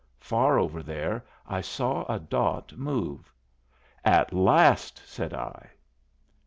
Far over there I saw a dot move. "At last!" said I.